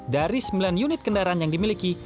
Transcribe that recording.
dari sembilan unit kendaraan yang dimiliki